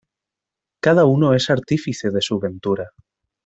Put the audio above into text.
Cada uno es artífice de su ventura.